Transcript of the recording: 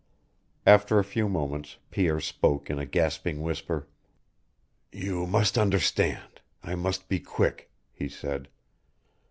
After a few moments Pierre spoke in a gasping whisper. "You must understand. I must be quick," he said.